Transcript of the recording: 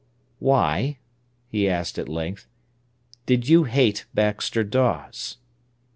"Why," he asked at length, "did you hate Baxter Dawes?"